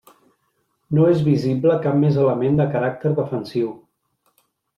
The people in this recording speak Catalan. No és visible cap més element de caràcter defensiu.